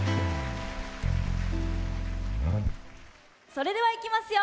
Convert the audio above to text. それではいきますよ！